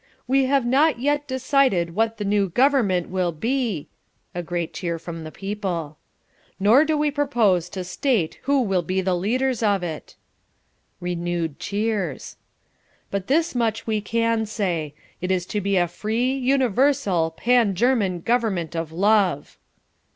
"We have not yet decided what the new Government will be" A great cheer from the people. "Nor do we propose to state who will be the leaders of it." Renewed cheers. "But this much we can say. It is to be a free, universal, Pan German Government of love."